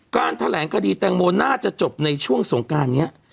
แถลงคดีแตงโมน่าจะจบในช่วงสงการนี้